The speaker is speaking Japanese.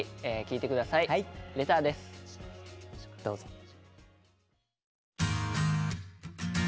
どうぞ。